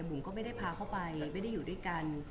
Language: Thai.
ผมก็ไม่ได้พาเข้าไปไม่ได้อยู่ด้วยกัน